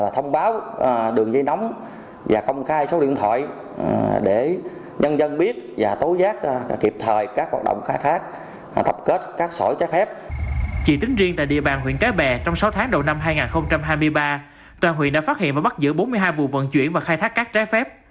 toàn huyện đã phát hiện và bắt giữ bốn mươi hai vụ vận chuyển và khai thác cát trái phép